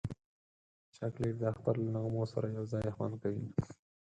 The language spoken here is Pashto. چاکلېټ د اختر له نغمو سره یو ځای خوند کوي.